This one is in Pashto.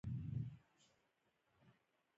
انحصار کول ازاد بازار وژني.